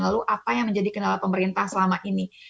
lalu apa yang menjadi kendala pemerintah selama ini